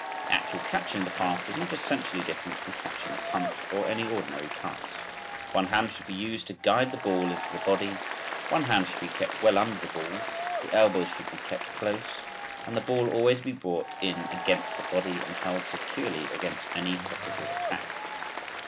The actual catching of the pass is not essentially different from catching a punt or any ordinary pass. One hand should be used to guide the ball into the body, one hand should be kept well under the ball, the elbows should be kept close and the ball always be brought in against the body and held securely against any possible attack.